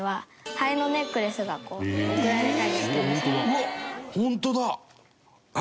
うわっホントだ。